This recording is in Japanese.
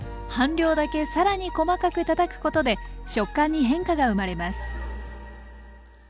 半量だけ更に細かくたたくことで食感に変化が生まれます。